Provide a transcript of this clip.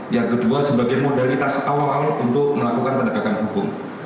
yang kedua sebagai modalitas awal untuk melakukan pendekatan hukum